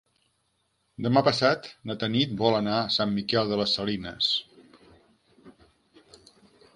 Demà passat na Tanit vol anar a Sant Miquel de les Salines.